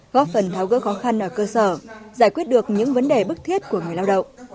góp phần tháo gỡ khó khăn ở cơ sở giải quyết được những vấn đề bức thiết của người lao động